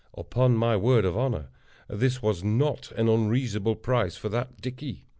Upon my word of honor, this was not an unreasonable price for that dickey.